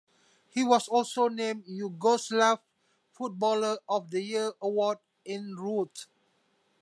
He was also named Yugoslav Footballer of the Year award en route.